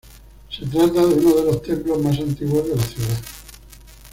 Se trata de una de los templos más antiguos de la ciudad.